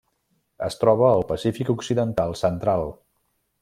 Es troba al Pacífic occidental central: